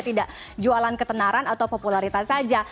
tidak jualan ketenaran atau popularitas saja